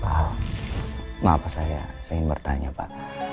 wow maaf saya saya ingin bertanya pak